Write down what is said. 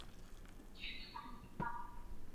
玛君龙亚科是阿贝力龙科下的一个亚科。